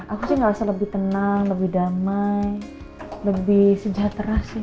aku sih ngerasa lebih tenang lebih damai lebih sejahtera sih